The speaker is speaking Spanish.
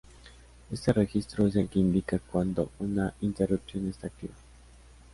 Este registro es el que indica cuando una interrupción esta activa.